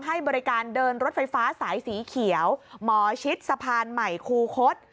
ให้บริการเดินรถไฟฟ้าสายสีเขียวหมอชิดสะพานใหม่คูคศ